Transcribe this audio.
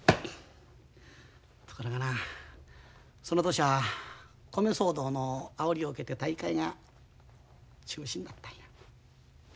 ところがなその年は米騒動のあおりを受けて大会が中止になったんや。